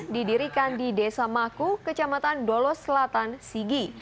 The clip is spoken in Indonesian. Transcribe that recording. didirikan di desa maku kecamatan dolos selatan sigi